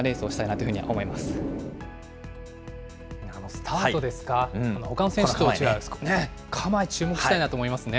スタートですか、ほかの選手とは違う、構え、注目したいなと思いますね。